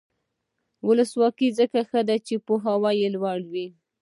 ولسواکي ځکه ښه ده چې پوهه لوړوي.